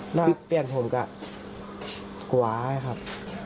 หน้าเปลี่ยนผมกับกวาครับ